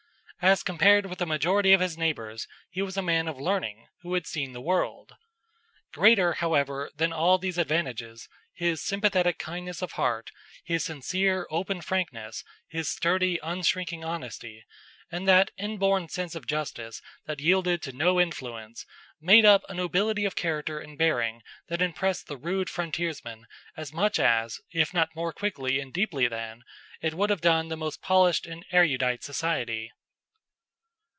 As compared with the majority of his neighbors, he was a man of learning who had seen the world. Greater, however, than all these advantages, his sympathetic kindness of heart, his sincere, open frankness, his sturdy, unshrinking honesty, and that inborn sense of justice that yielded to no influence, made up a nobility of character and bearing that impressed the rude frontiersmen as much as, if not more quickly and deeply than, it would have done the most polished and erudite society.